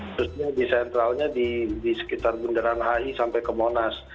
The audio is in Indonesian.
khususnya di sentralnya di sekitar bundaran hi sampai ke monas